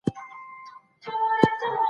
د طلاق کچه د وخت په تېرېدو بدليږي.